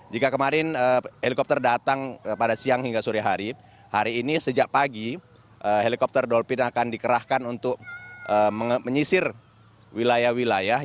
jika kemarin helikopter datang pada siang hingga sore hari hari ini sejak pagi helikopter dolphin akan dikerahkan untuk menyisir wilayah wilayah